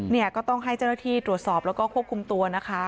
เนี่ยก็ต้องให้เจ้าหน้าที่ตรวจสอบแล้วก็ควบคุมตัวนะคะ